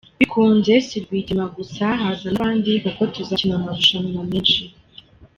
Bikunze si Rwigema gusa haza n’abandi kuko tuzakina amarushanwa menshi.